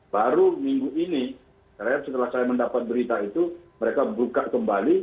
baru minggu ini setelah saya mendapat berita itu mereka buka kembali